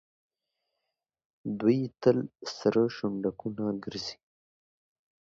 دوی تل سره شونډکونه ګرځي.